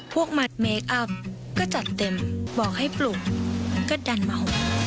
พวกมันเมคอัพก็จัดเต็มบอกให้ปลุกก็ดันเหมา